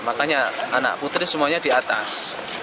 makanya anak putri semuanya di atas